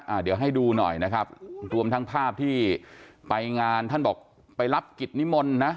เดี๋ยวให้ดูหน่อยนะครับรวมทั้งภาพที่ไปงานท่านบอกไปรับกิจนิมนต์นะ